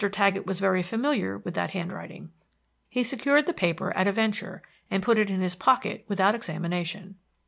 Taggett was very familiar with that handwriting. He secured the paper at a venture, and put it in his pocket without examination.